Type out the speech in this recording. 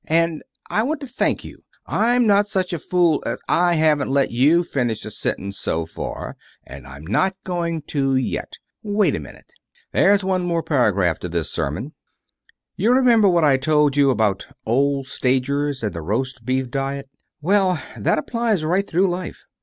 And I want to thank you. I'm not such a fool " "I haven't let you finish a sentence so far and I'm not going to yet. Wait a minute. There's one more paragraph to this sermon. You remember what I told you about old stagers, and the roast beef diet? Well, that applies right through life.